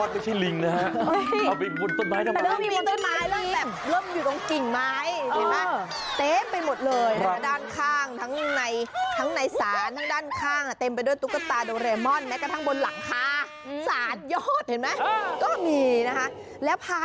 เดี๋ยวนะคือสารเต็มโดเรมอนถือเรี้ยงเอียบอ๊ค